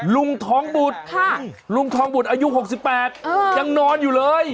ลุงท้องบุตรค่ะลุงท้องบุตรอายุหกสิบแปดเออยังนอนอยู่เลย